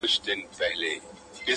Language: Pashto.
نو هغه به د ورځې ویده کیږي